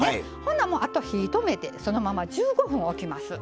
あと火を止めてそのまま１５分置きます。